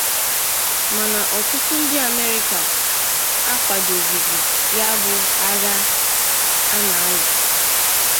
Mana ọtụtụ ndị Amerịka akwadozighị yabụ agha a na-alụ.